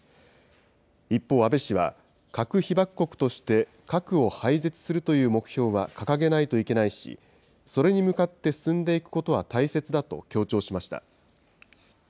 一方、安倍氏は核被爆国として核を廃絶するという目標は掲げないといけないし、それに向かって進んでいくことは大切だと強調しました。